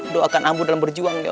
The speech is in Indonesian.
doakan ambo dalam berjuang ya